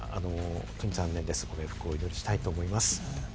本当に残念だなとご冥福をお祈りしたいと思います。